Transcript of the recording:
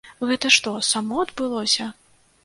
Гэта што, само адбылося?